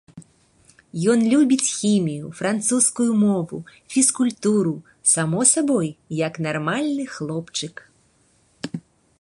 Ён любіць хімію, французскую мову, фізкультуру, само сабой, як нармальны хлопчык.